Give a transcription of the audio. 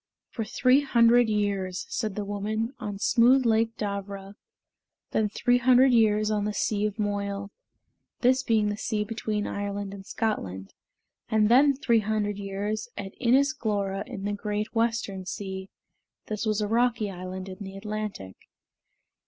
"For three hundred years," said the woman, "on smooth Lake Darvra; then three hundred years on the sea of Moyle" (this being the sea between Ireland and Scotland); "and then three hundred years at Inis Glora, in the Great Western Sea" (this was a rocky island in the Atlantic).